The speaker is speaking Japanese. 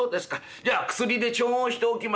じゃあ薬で調合しておきます。